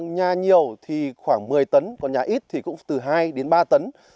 nhà nhiều thì khoảng một mươi tấn còn nhà ít thì cũng từ hai đến ba tấn